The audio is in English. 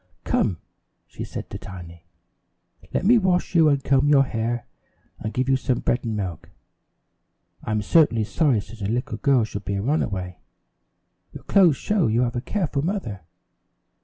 "Come," she said to Tiny, "let me wash you and comb your hair, and give you some bread and milk. I'm certainly sorry such a little girl should be a runaway. Your clothes show you have a careful mother."